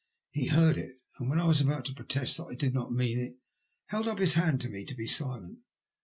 " He heard it, and when I was about to protest that I did not mean it, held up his hand to me to be silent.